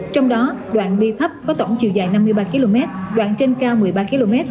trong đó đoạn bi thấp có tổng chiều dài năm mươi ba km đoạn trên cao một mươi ba km